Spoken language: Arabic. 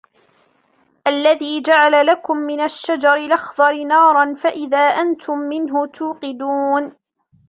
الذي جعل لكم من الشجر الأخضر نارا فإذا أنتم منه توقدون